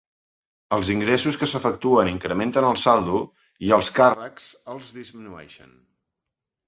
Els ingressos que s'efectuen incrementen el saldo i els càrrecs els disminueixen.